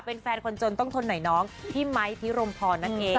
เป็นแฟนคนจนต้องทนหน่อยน้องพี่ไมค์พิรมพรนั่นเอง